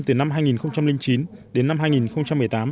từ năm hai nghìn chín đến năm hai nghìn một mươi tám